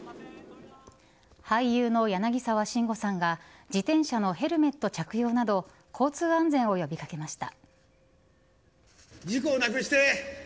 俳優の柳沢慎吾さんが自転車のヘルメット着用など交通安全を呼び掛けました。